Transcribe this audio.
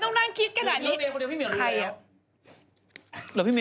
ทำไมต้องนั่งคิดแก่แบบนี้